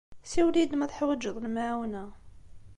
Siwel-iyi-d ma teḥwaǧeḍ lemɛawna.